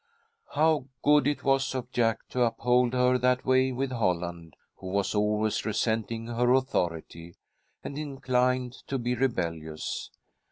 How good it was of Jack to uphold her that way with Holland, who was always resenting her authority, and inclined to be rebellious.